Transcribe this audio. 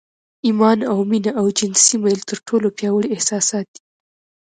ایمان او مینه او جنسي میل تر ټولو پیاوړي احساسات دي